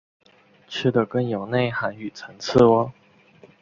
吃的更有内涵与层次喔！